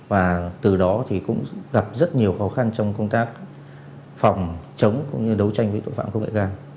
và từ đó thì cũng gặp rất nhiều khó khăn trong công tác phòng chống cũng như đấu tranh với tội phạm công nghệ cao